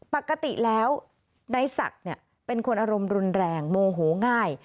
ปกติแล้วนายศักดิ์เป็นคนอารมณ์รุนแรงโมโหง่าย